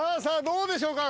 どうでしょうか？